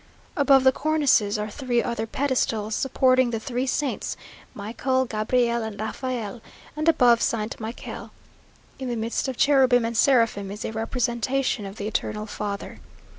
Above the cornices are three other pedestals, supporting the three Saints, Michael, Gabriel, and Raphael; and above St. Michael, in the midst of cherubim and seraphim, is a representation of the Eternal Father.